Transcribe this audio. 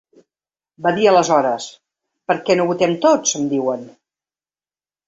Va dir aleshores: Per què no votem tots, em diuen?